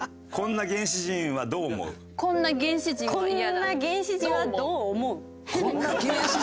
「こんな原始人はどう思う？」。